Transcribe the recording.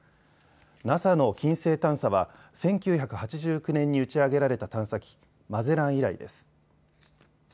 ＮＡＳＡの金星探査は１９８９年に打ち上げられた探査機、マゼラン以来です。